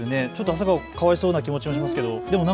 朝顔、かわいそうな気持ちもしますけど。